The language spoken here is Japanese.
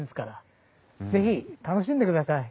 是非楽しんでください。